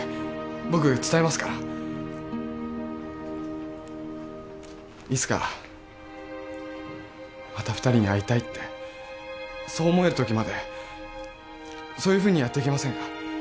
僕伝えますからいつかまた二人に会いたいってそう思えるときまでそんなふうにやってけませんか？